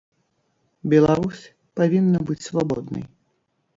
Беларусь павінна быць свабоднай.